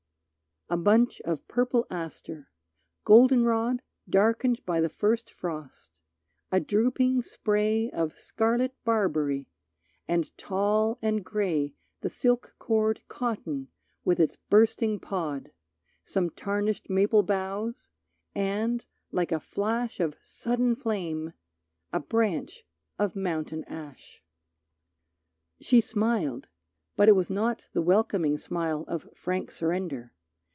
A bunch of purple aster, golden rod Darkened by the first frost, a drooping spray Of scarlet barberry, and tall and gray The silk cored cotton with its bursting pod, Some tarnished maple boughs, and, like a flash Of sudden flame, a branch of mountain ash. She smiled, but it was not the welcoming smile Of frank surrender.